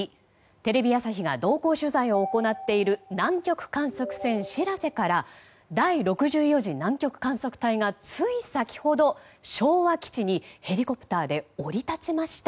テレビ朝日が同行取材を行っている南極観測船「しらせ」から第６４次南極観測隊がつい先ほど昭和基地にヘリコプターで降り立ちました。